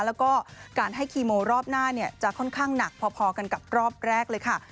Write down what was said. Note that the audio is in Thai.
แล้วก็การให้คีโมรอบหน้าจะค่อนข้างหนักพอกันกับรอบแรกเลยค่ะ